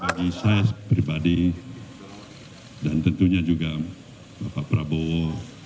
bagi saya pribadi dan tentunya juga bapak prabowo